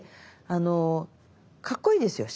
あのかっこいいですよ